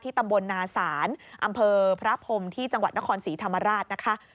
ตำบลนาศาลอำเภอพระพรมที่จังหวัดนครศรีธรรมราชนะคะ